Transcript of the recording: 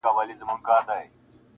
• عُمر مي وعدو د دروغ وخوړی -